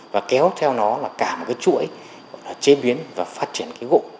và kéo theo nó là cả một cái chuỗi là chế biến và phát triển cái gỗ